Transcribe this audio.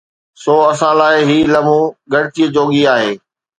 سو اسان لاءِ هي لمحو ڳڻتي جوڳي آهي.